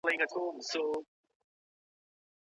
د کورني نظام اړوند کسان کوم مسئوليتونه لري؟